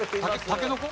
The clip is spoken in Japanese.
たけのこ？